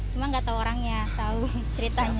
cuma nggak tahu orangnya tahu ceritanya